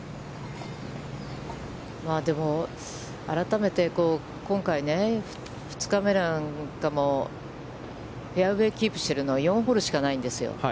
でも、改めて今回、２日目なんかもフェアウェイキープしているのは、４ホールしかないんですよ。